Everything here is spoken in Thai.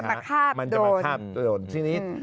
มันจะมาข้าบโดน